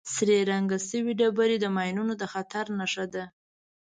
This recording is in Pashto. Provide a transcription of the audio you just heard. سرې رنګ شوې ډبرې د ماینونو د خطر نښه ده.